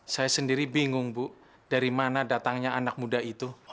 saya sendiri bingung bu dari mana datangnya anak muda itu